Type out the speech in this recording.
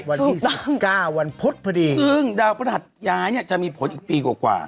วันที่สามเก้าวันพุธพอดีซึ่งดาวพระหัสย้ายเนี่ยจะมีผลอีกปีกว่า